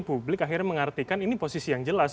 publik akhirnya mengartikan ini posisi yang jelas